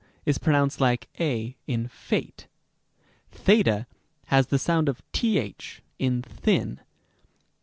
ἢ is pronounced like a in fate. Rem. f. @ has the sound of th in thin.